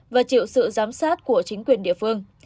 và chịu sự giám sát của chính quyền địa phương